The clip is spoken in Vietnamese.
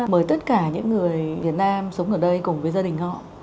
mời tất cả những người việt nam sống ở đây cùng với gia đình họ